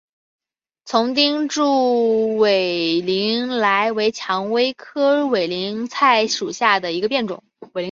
丛生钉柱委陵菜为蔷薇科委陵菜属下的一个变种。